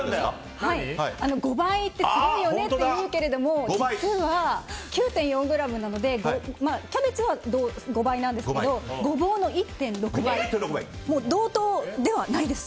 ５倍ってすごいよねって言うけれども実は９．４ｇなのでキャベツは５倍なんですけどゴボウの１．６倍で同等ではないです。